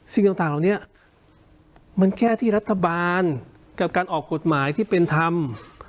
สิ่งต่างเหล่านี้มันแค่ที่รัฐบาลกับการออกกฎหมายที่เป็นธรรม